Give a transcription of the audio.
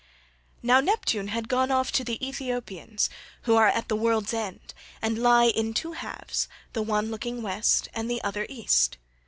Now Neptune had gone off to the Ethiopians, who are at the world's end, and lie in two halves, the one looking West and the other East.